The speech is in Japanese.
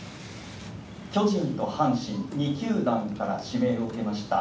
巨人と阪神、２球団から指名を受けました。